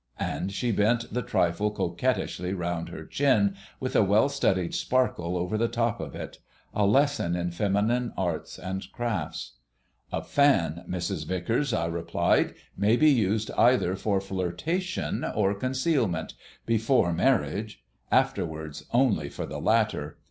And she bent the trifle coquettishly round her chin, with a well studied sparkle over the top of it a lesson in feminine Arts and Crafts. "A fan, Mrs. Vicars," I replied, "may be used either for flirtation or concealment before marriage. Afterwards, only for the latter.